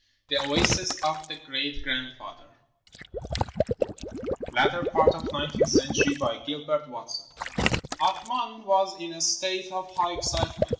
THE OASIS OF THE GREAT GRANDFATHER [Latter part of nineteenth century] BY GILBERT WATSON Athman was in a state of high excitement.